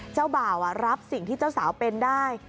เจ้าบ่าวรับสิ่งที่เจ้าสาวเป็นได้